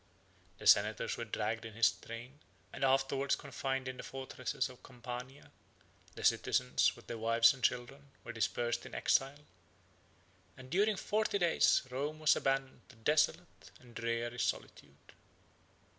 15 The senators were dragged in his train, and afterwards confined in the fortresses of Campania: the citizens, with their wives and children, were dispersed in exile; and during forty days Rome was abandoned to desolate and dreary solitude.